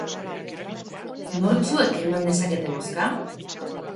Nortzuek eman dezakete bozka?